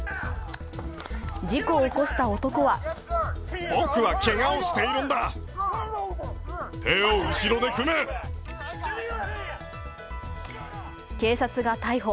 事故を起こした男は警察が逮捕。